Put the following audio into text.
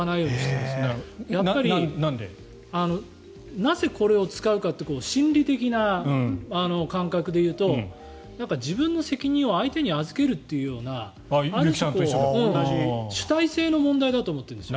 なぜ、これを使うかって心理的な感覚でいうと自分の責任を相手に預けるというようなある種、主体性の問題だと思っているんですよ。